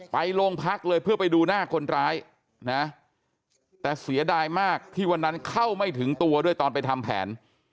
ไปโรงพักเลยเพื่อไปดูหน้าคนร้ายนะแต่เสียดายมากที่วันนั้นเข้าไม่ถึงตัวด้วยตอนไปทำแผน